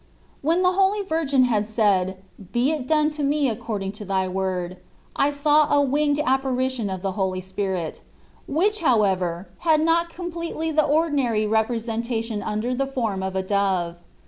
When the Holy Virgin had said, " Be it done to me according to thy word," I saw a winged apparition of the Holy Spirit, which, however, had not completely the ordinary representation under the form of a dove.